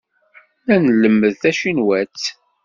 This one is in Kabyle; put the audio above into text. La nlemmed tacinwat.